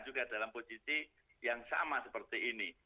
juga dalam posisi yang sama seperti ini